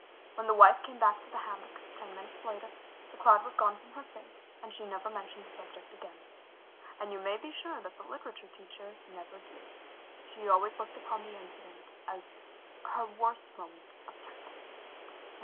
When the Wife came back to the hammock, ten minutes later, the cloud was gone from her face, and she never mentioned the subject again. And you may be sure that the literature teacher never did. She always looked upon the incident as her worst moment of tactlessness.